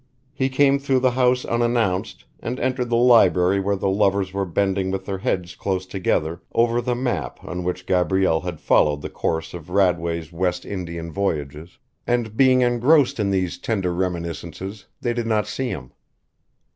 He came through the house unannounced and entered the library where the lovers were bending with their heads close together over the map on which Gabrielle had followed the course of Radway's West Indian voyages, and, being engrossed in these tender reminiscences, they did not see him.